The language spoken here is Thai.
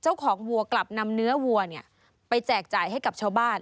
วัวกลับนำเนื้อวัวไปแจกจ่ายให้กับชาวบ้าน